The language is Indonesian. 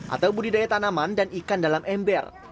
atau budidaya tanaman dan ikan dalam ember